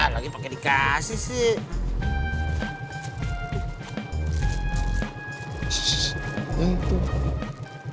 lagi pake dikasih sih